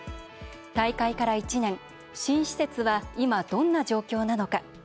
大会から１年、新施設は今、どんな状況なのか。